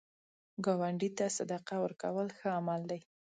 ګاونډي ته صدقه ورکول ښه عمل دی